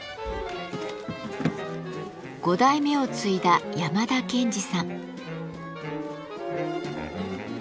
５代目を継いだ山田憲司さん。